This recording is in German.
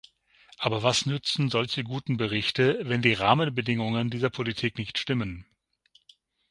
Aber was nützen solche guten Berichte, wenn die Rahmenbedingungen dieser Politik nicht stimmen?